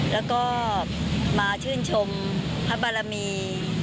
แล้วก็มาชื่นชมพระบารมี